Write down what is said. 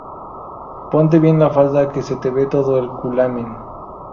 Ponte bien la falda que se te ve todo el culamen